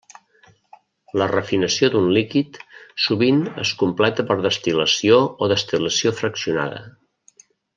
La refinació d'un líquid sovint es completa per destil·lació o destil·lació fraccionada.